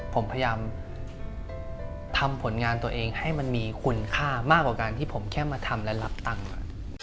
ผมพยายามทำผลงานตัวเองให้มันมีคุณค่ามากกว่าการที่ผมแค่มาทำและรับตังค์